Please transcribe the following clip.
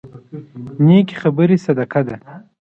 نيکې خبرې صدقه ده.